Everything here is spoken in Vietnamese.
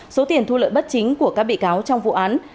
số tiền thu lợi bất chính của các bị cáo trong vụ án